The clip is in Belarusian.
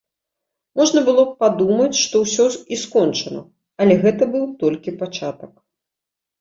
Можна было б падумаць, што ўсё і скончана, але гэта быў толькі пачатак.